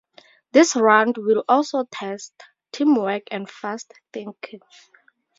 This round will also test teamwork and fast-thinking.